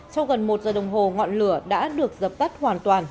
sau gần một giờ đồng hồ ngọn lửa đã được dập tắt hoàn toàn